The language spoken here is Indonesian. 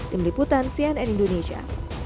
tim liputan cnn indonesia